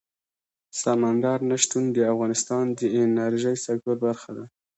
سمندر نه شتون د افغانستان د انرژۍ سکتور برخه ده.